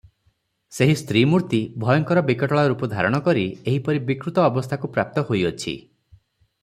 ସେହି ସ୍ତ୍ରୀ ମୂର୍ତ୍ତି ଭୟଙ୍କର ବିକଟାଳ ରୂପ ଧାରଣ କରି ଏହିପରି ବିକୃତ ଅବସ୍ଥାକୁ ପ୍ରାପ୍ତ ହୋଇଅଛି ।